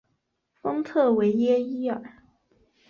丰特维耶伊尔。